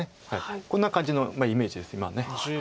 こんな感じのイメージです今。